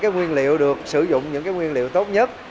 nguyên liệu được sử dụng những nguyên liệu tốt nhất